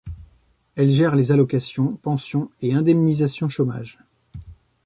Elle gère les allocations, pensions et indemnisations chômage.